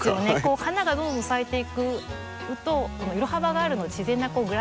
花がどんどん咲いていくと色幅があるので自然なグラデーションで。